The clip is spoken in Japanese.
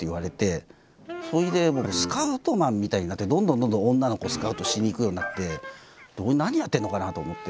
それでスカウトマンみたいになってどんどん女の子をスカウトしに行くようになって俺何やってんのかなと思って。